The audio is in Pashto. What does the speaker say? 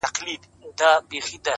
جـنــگ له فريادي ســــره!!